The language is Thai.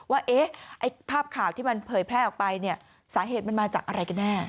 ว่าภาพข่าวที่มันเผยแพร่ออกไปเนี่ยสาเหตุมันมาจากอะไรกันแน่